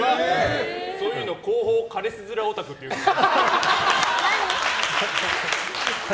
そういうの後方彼氏ヅラオタクっていうんです。